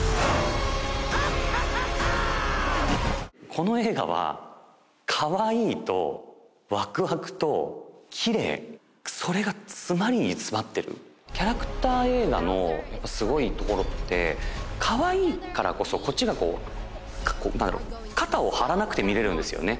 この映画はかわいいとワクワクときれいそれが詰まりに詰まってるキャラクター映画のやっぱりすごいところってかわいいからこそこっちがこう肩を張らなくて見れるんですよね